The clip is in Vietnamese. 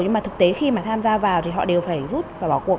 nhưng mà thực tế khi mà tham gia vào thì họ đều phải rút và bỏ cuộc